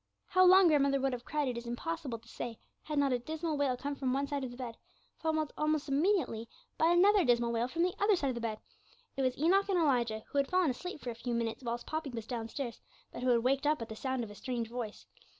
How long grandmother would have cried it is impossible to say, had not a dismal wail come from one side of the bed, followed almost immediately by another dismal wail from the other side of the bed. It was Enoch and Elijah, who had fallen asleep for a few minutes whilst Poppy was downstairs, but who had waked up at the sound of a strange voice.